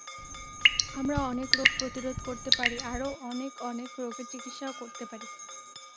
আমরা অনেক রোগ প্রতিরোধ করতে পারি, আরও অনেক অনেক রোগের চিকিত্সাও করতে পারি।